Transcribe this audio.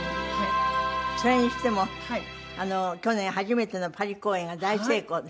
それにしても去年初めてのパリ公演が大成功で。